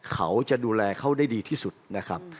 เขาจะดูแลเขาได้ดีที่สุดนะครับ